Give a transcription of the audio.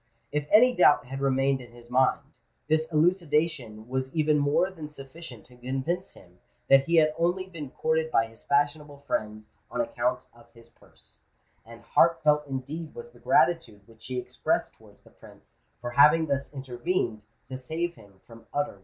If any doubt had remained in his mind, this elucidation was even more than sufficient to convince him that he had only been courted by his fashionable friends on account of his purse; and heart felt indeed was the gratitude which he expressed towards the Prince for having thus intervened to save him from utter ruin.